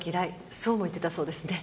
そうも言ってたそうですね。